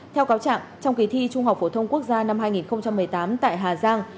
theo cáo trạng trong kỳ thi trung học phổ thông quốc gia năm hai nghìn một mươi tám tại hà giang